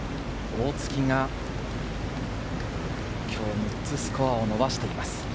大槻が今日６つスコアを伸ばしています。